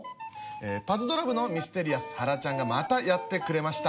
パズドラ部のミステリアスはらちゃんがまたやってくれました。